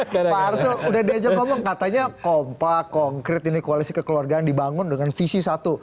pak arsul udah diajak ngomong katanya kompak konkret ini koalisi kekeluargaan dibangun dengan visi satu